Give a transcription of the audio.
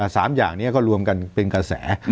๓อย่างนี้ก็รวมกันเป็นกระแส